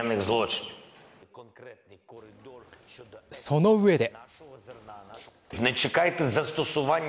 その上で。